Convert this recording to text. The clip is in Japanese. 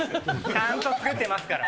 ちゃんと作ってますから。